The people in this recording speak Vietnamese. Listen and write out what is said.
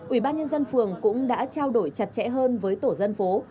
ủy ban nhân dân phường cũng đã trao đổi chặt chẽ hơn với tổ dân phố